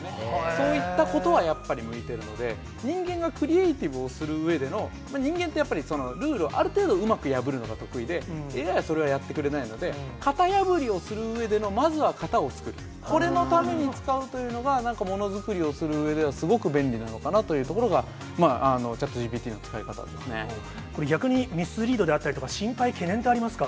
そういったことはやっぱり向いてるので、人間がクリエーティブをするうえでの人間ってやっぱりルールをある程度うまく破るのが得意で、ＡＩはそれはやってくれないので、型破りをするうえでのまずは型を作る、これのために使うというのが、なんかものづくりをするうえではすごく便利なのかなというところが、まあ、これ、逆にミスリードであったりとか、心配、懸念ってありますか。